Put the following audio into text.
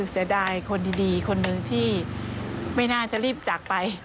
เสียดายคนดีคนหนึ่งที่ไม่น่าจะรีบจากไป